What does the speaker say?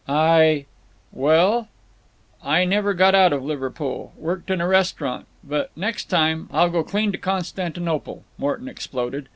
"I—" "Well—" "I never got out of Liverpool! Worked in a restaurant…. But next time—! I'll go clean to Constantinople!" Morton exploded.